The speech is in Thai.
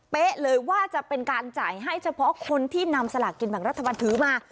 เลยว่าจะเป็นการจ่ายให้เฉพาะคนที่นำสลากกินแบ่งรัฐบาลถือมา